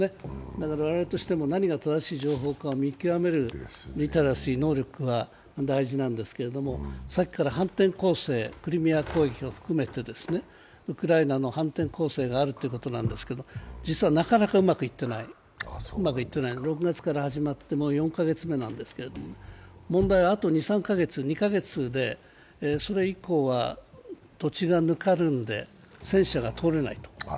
だから我々としても何が正しい情報かを見極めるリテラシー、能力が必要なんですけどさっきからクリミア攻撃を含めてウクライナの反転攻勢があるということなんですけれども、実はなかなかうまくいっていない、６月から始まって、４か月目なんですけど問題はあと２３か月、２か月でそれ以降は土地がぬかるんで戦車が通れないと。